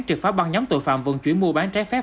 trực pháp bằng nhóm tội phạm vận chuyển mua bán trái phép